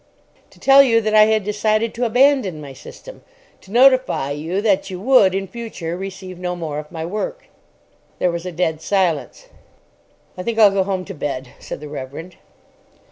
"To tell you that I had decided to abandon my system. To notify you that you would, in future, receive no more of my work." There was a dead silence. "I think I'll go home to bed," said the Reverend.